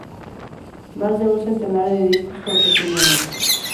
Más de un centenar de discos lo testimonian.